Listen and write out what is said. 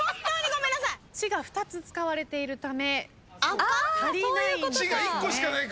「ち」が２つ使われているため足りないんですね。